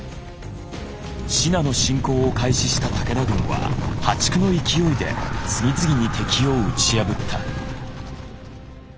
信濃侵攻を開始した武田軍は破竹の勢いで次々に敵を打ち破った。